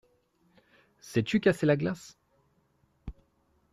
Sais-tu casser la glace ?